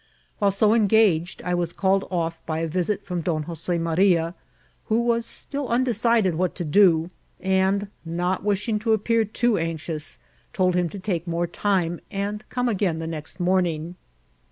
While so engaged, I was called off by a visit from Don Jose Maria, who was still undecided what to do ; and not wishing to appear too anxious, told him to take more time, and come again the next morning.